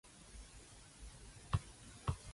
非常輕巧方便